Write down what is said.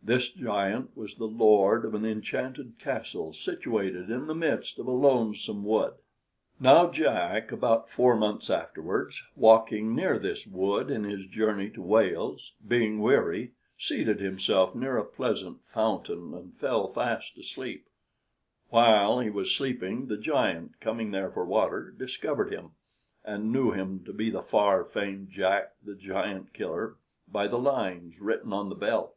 This giant was the lord of an enchanted castle situated in the midst of a lonesome wood. Now Jack, about four months afterwards, walking near this wood in his journey to Wales, being weary, seated himself near a pleasant fountain and fell fast asleep. While he was sleeping, the giant, coming there for water, discovered him, and knew him to be the far famed Jack the Giant killer by the lines written on the belt.